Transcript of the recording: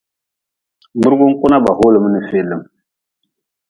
Burgun kuna ba hoolm n feelm.